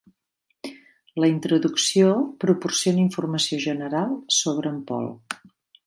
La introducció proporciona informació general sobre en Paul.